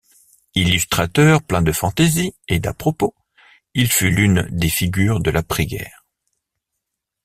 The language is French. Illustrateur plein de fantaisie et d'à-propos, il fut l'une des figures de l'après-guerre.